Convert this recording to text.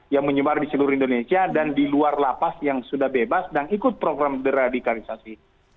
yang menyebar di seluruh indonesia dan di luar lapas yang sudah bebas dan ikut program deradikalisasi